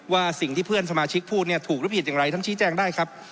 ว่าสิ่งที่เพื่อนสมาชิกพูดเนี่ยถูกหรือผิดอย่างไรท่านชี้แจงได้ครับ